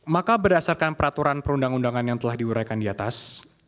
maka berdasarkan peraturan perundang undangan yang telah diuraikan di atas